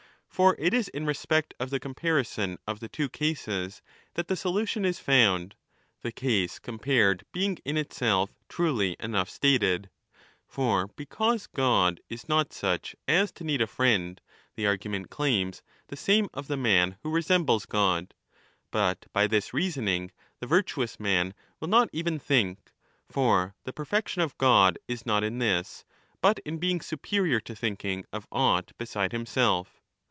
For it is in respect of the comparison of the two cases ^ that the solution is found, the case compared being in itself truly enough stated, ^or because God is not such as to need a friend, the argument claims ^ the same of the man who resembles 15 God. But by this reasoning the virtuous man will not even think ; for the perfection of God is not in this, but in being superior to thinking of aught beside himself.